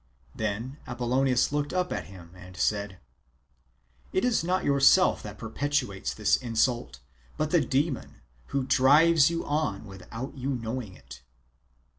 Then Apollonius looked up at him and. said :" It is not yourself that. perpetrates this insult, but the demon, who drives you on without your knowing it."